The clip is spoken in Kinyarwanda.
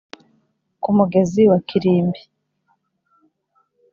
ku mugezi wa kirimbi